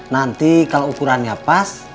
nanti kalau ukurannya pas